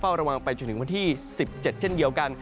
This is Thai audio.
ระวังไปจนถึงวันที่๑๗เช่นเดียวกัน